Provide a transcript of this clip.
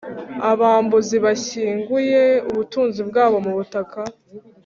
abambuzi bashyinguye ubutunzi bwabo mu butaka.